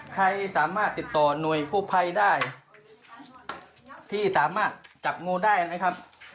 ใครสามารถติดต่อหน่วยกู้ภัยได้ที่สามารถจับงูได้นะครับ